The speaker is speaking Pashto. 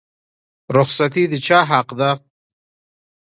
رخصتي د چا حق دی؟